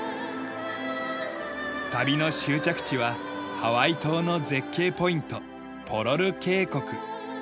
旅の終着地はハワイ島の絶景ポイントポロル渓谷。